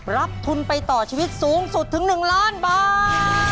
รับทุนไปต่อชีวิตสูงสุดถึง๑ล้านบาท